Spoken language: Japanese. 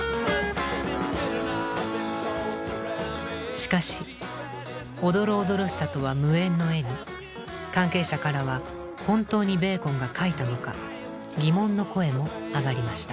しかしおどろおどろしさとは無縁の絵に関係者からは本当にベーコンが描いたのか疑問の声も上がりました。